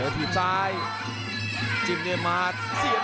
ซุดยอดจริงครับ